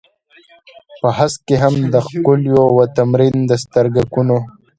په هسک کې هم د ښکليو و تمرين د سترگکونو.